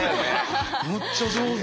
むっちゃ上手。